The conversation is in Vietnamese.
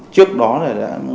trước đó là